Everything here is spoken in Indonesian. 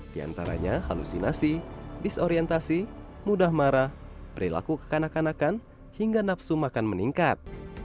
di antaranya halusinasi disorientasi mudah marah perilaku kekanakan akan hingga nafsu makan meningkat